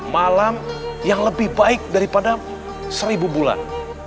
malam yang lebih baik daripada seribu bulan